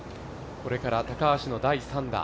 これから高橋の第３打。